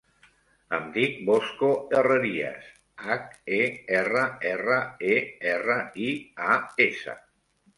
Em dic Bosco Herrerias: hac, e, erra, erra, e, erra, i, a, essa.